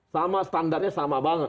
sama standarnya sama banget